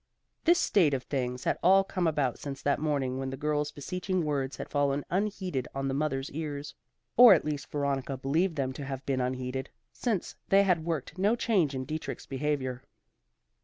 This state of things had all come about since that morning when the girl's beseeching words had fallen unheeded on the mother's ears; or at least Veronica believed them to have been unheeded, since they had worked no change in Dietrich's behavior.